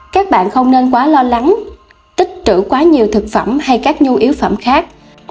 các bạn không nên quá lo lắng tích trữ quá nhiều thực phẩm hay các nhu yếu phẩm khác